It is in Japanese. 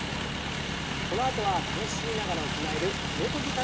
このあとは楽しみながら行える舟こぎ体操です。